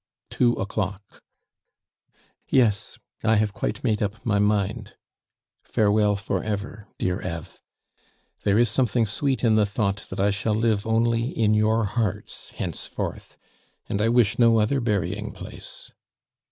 ... "Two o'clock. "Yes, I have quite made up my mind. Farewell for ever, dear Eve. There is something sweet in the thought that I shall live only in your hearts henceforth, and I wish no other burying place.